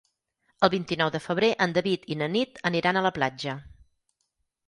El vint-i-nou de febrer en David i na Nit aniran a la platja.